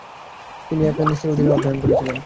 তিনি এয়াকিনসের অধীনে অধ্যয়ন করেছিলেন।